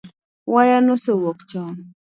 Waya nosewuok chon